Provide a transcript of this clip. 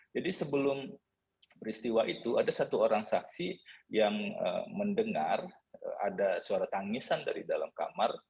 jadi sebelum peristiwa itu ada satu orang saksi yang mendengar ada suara tangisan dari dalam kamar